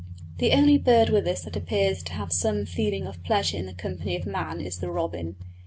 The only bird with us that appears to have some such feeling of pleasure in the company of man is the robin.